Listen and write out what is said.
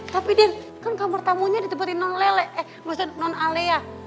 tapi den kan kamar tamunya ditebari non lelek eh maksudnya non alea